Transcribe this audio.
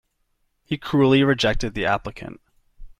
He cruelly rejected the applicant.